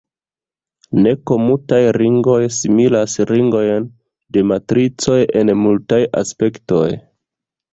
Ne-komutaj ringoj similas ringojn de matricoj en multaj aspektoj.